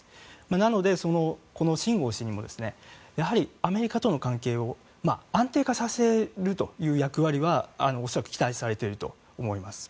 なので、シン・ゴウ氏にもアメリカとの関係を安定化させるという役割は恐らく期待されていると思います。